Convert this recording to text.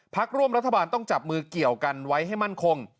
พักร่วมรัฐบาลต้องจับมือเกี่ยวกันไว้ให้มั่นคง